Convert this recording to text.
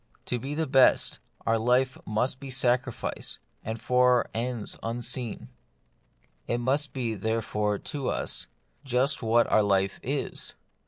To be the best, our life must be sacrifice, and for ends unseen. It must be, therefore, to us, just what our life is.